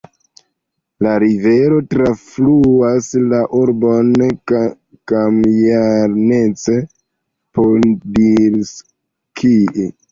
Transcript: La rivero trafluas la urbon Kamjanec-Podilskij.